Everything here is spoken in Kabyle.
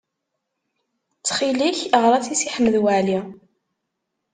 Ttxil-k, ɣer-as i Si Ḥmed Waɛli.